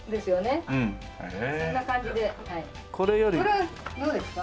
これどうですか？